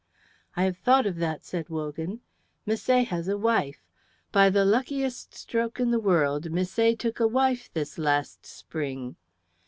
"I have thought of that," said Wogan. "Misset has a wife. By the luckiest stroke in the world Misset took a wife this last spring."